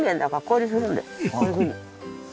こういうふうに。